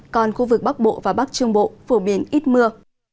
còn khu vực bắc bộ và bắc trung bộ phổ biến ít mưa